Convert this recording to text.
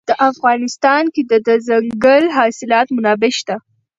په افغانستان کې د دځنګل حاصلات منابع شته.